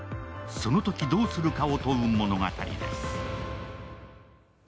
そのときどうするかを問う物語です。